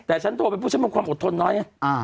แต่ฉันโทรไปพูดฉันบนความอดทนน้อยไง